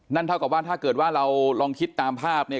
เท่ากับว่าถ้าเกิดว่าเราลองคิดตามภาพเนี่ย